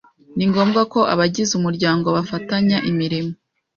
Ni ngombwa ko abagize umuryango bafatanya imirimo